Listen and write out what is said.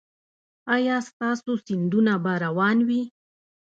ایا ستاسو سیندونه به روان وي؟